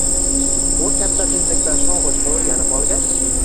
U katta tezlikda sho‘ng‘ishni o‘rganib olgach